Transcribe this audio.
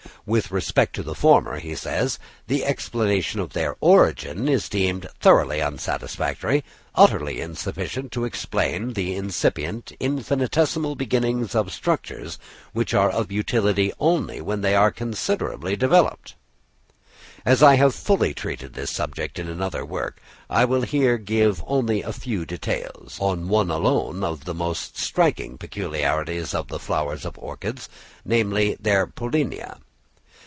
With respect to the former, he says: "The explanation of their origin is deemed thoroughly unsatisfactory—utterly insufficient to explain the incipient, infinitesimal beginnings of structures which are of utility only when they are considerably developed." As I have fully treated this subject in another work, I will here give only a few details on one alone of the most striking peculiarities of the flowers of orchids, namely, their pollinia.